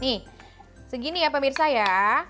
nih segini ya pemirsa ya